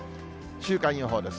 週間予報です。